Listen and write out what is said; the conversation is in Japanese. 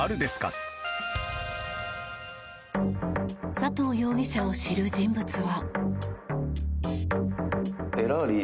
佐藤容疑者を知る人物は。